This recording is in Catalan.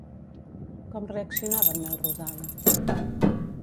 Com reaccionava en Melrosada?